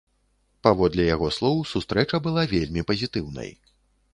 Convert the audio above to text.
Паводле яго слоў сустрэча была вельмі пазітыўнай.